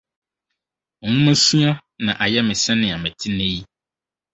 Nwomasua na ayɛ me sɛnea mete nnɛ yi